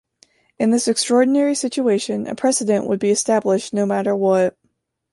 In this extraordinary situation, a precedent would be established no matter what.